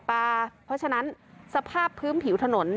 เพราะฉะนั้นสภาพพื้นผิวถนน